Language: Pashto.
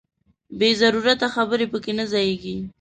بې ضرورته خبرې پکې نه ځاییږي.